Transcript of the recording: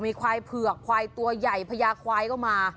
มีควายเผือกควายตัวใหญ่พญาควายก็มา